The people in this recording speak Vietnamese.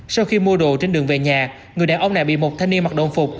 sau khi mua đồ trên đường về nhà người đàn ông này bị một thanh niên mặc đồng phục